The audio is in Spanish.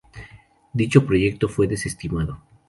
Dicho proyecto fue desestimado.